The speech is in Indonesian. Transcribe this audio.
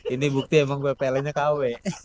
ini bukti emang bpln nya kw